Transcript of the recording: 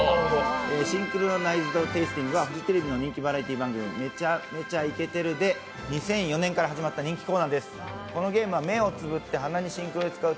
シンクロナイズドテイスティングはフジテレビの人気バラエティ番組、「めちゃ×２イケてるッ！」で２００４年から始まった人気コーナーです。